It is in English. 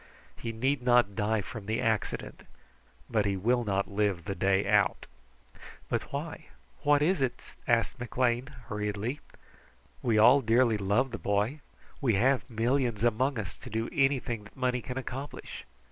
He need not die from the accident, but he will not live the day out." "But why? What is it?" asked McLean hurriedly. "We all dearly love the boy. We have millions among us to do anything that money can accomplish.